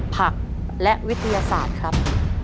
ผักและวิทยาศาสตร์ครับ